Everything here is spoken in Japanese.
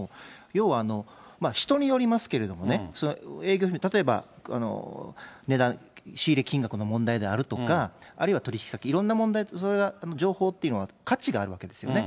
要は、人によりますけれどもね、営業秘密、例えば値段、仕入れ金額の問題であるとか、あるいは取り引き先、いろんな問題、それは情報というのは価値があるわけですよね。